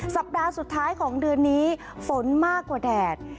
สัปดาห์สุดท้ายของเดือนนี้ฝนมากกว่าแดด